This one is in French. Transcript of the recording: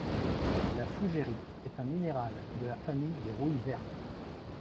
La fougèrite est un minéral de la famille des rouilles vertes.